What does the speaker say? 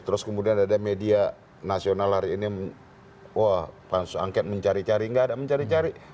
terus kemudian ada media nasional hari ini wah pansus angket mencari cari nggak ada mencari cari